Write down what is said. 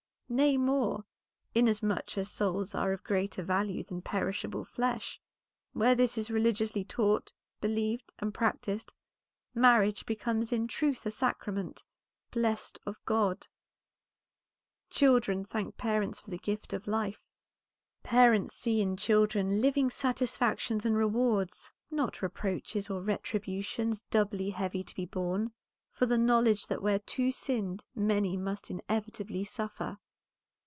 Nay, more, inasmuch as souls are of greater value than perishable flesh. Where this is religiously taught, believed, and practised, marriage becomes in truth a sacrament blessed of God; children thank parents for the gift of life; parents see in children living satisfactions and rewards, not reproaches or retributions doubly heavy to be borne, for the knowledge that where two sinned, many must inevitably suffer."